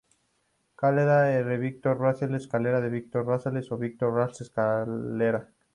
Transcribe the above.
Calera de Víctor Rosales, Calera Víctor Rosales, o Víctor Rosales, Calera.